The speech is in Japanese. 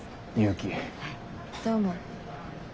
どうも。